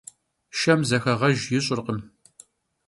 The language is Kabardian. Şşem zexeğejj yiş'ırkhım.